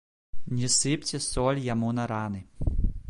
Не сыпце соль яму на раны.